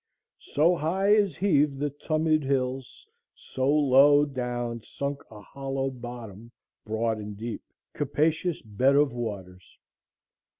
So high as heaved the tumid hills, so low Down sunk a hollow bottom broad and deep, Capacious bed of waters—."